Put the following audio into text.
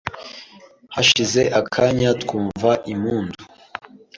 hashize akanya twumva impundu